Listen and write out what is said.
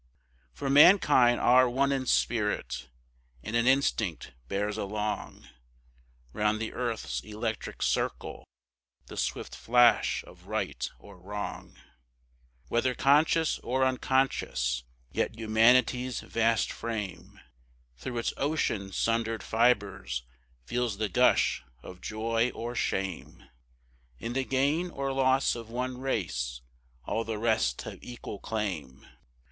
For mankind are one in spirit, and an instinct bears along, Round the earth's electric circle, the swift flash of right or wrong; Whether conscious or unconscious, yet Humanity's vast frame Through its ocean sundered fibres feels the gush of joy or shame;— In the gain or loss of one race all the rest have equal claim.